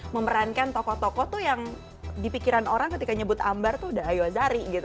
memerankan tokoh tokoh tuh yang dipikiran orang ketika nyebut ambar tuh udah ayo zari gitu